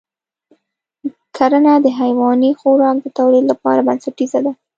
کرنه د حیواني خوراک د تولید لپاره بنسټیزه ده.